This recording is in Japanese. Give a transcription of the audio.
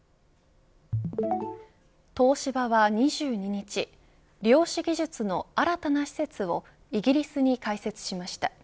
東芝は２２日量子技術の新たな施設をイギリスに開設しました。